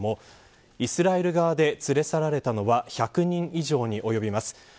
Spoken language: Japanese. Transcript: イスラエル側で連れ去られたのは１００人以上に及びます。